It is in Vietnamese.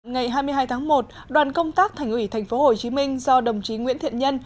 ngày hai mươi hai tháng một đoàn công tác thành ủy tp hcm do đồng chí nguyễn thiện nhân